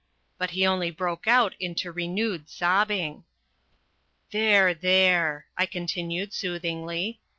But he only broke out into renewed sobbing. "There, there," I continued soothingly.